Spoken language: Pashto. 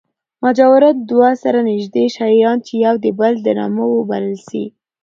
مجاورت دوه سره نژدې شیان، چي يو د بل په نامه وبلل سي.